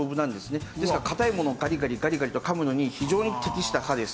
ですから硬いものをガリガリガリガリと噛むのに非常に適した歯です。